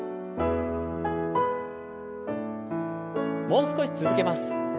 もう少し続けます。